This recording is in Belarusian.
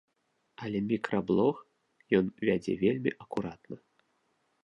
Але мікраблог ён вядзе вельмі акуратна.